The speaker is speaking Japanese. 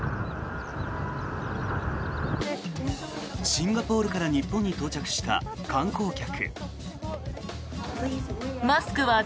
シンガポールから日本に到着した観光客。